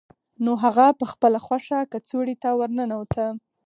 نو هغه په خپله خوښه کڅوړې ته ورننوته